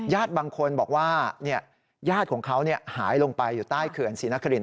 บางคนบอกว่าญาติของเขาหายลงไปอยู่ใต้เขื่อนศรีนคริน